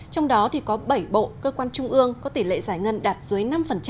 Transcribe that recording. trong đó có bảy bộ cơ quan trung ương có tỷ lệ giải ngân đạt dưới năm